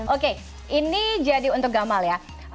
oke ini jadi untuk gamal ya